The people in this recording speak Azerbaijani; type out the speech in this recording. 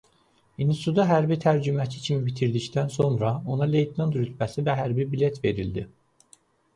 Institutu hərbi tərcüməçi kimi bitirdikdən sonra ona leytenant rütbəsi və hərbi bilet verildi.